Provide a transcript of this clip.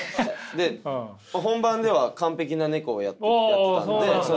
で本番では完璧なネコをやってたんで。